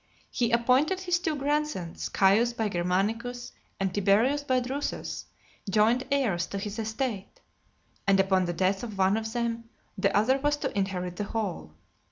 He appointed his two grandsons, Caius by Germanicus, and Tiberius by Drusus, joint heirs to his estate; and upon the death of one of them, the other was to inherit the whole.